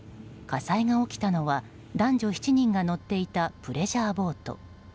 火災が起きたのは男女７人が乗っていたプレジャーボート。